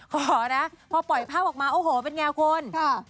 ขอนะพอปล่อยภาพออกมาโอ้โหเป็นไงคุณ